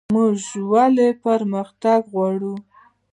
موږ ولې پرمختګ غواړو؟